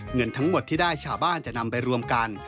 เงินทั้งหมดที่ได้ชาวบ้านจะนำไปรวมกัน